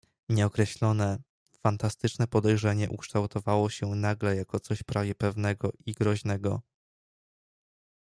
"Nieokreślone, fantastyczne podejrzenie ukształtowało się nagle jako coś prawie pewnego i groźnego."